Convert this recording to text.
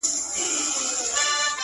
د سپینتمان د سردونو د یسنا لوري،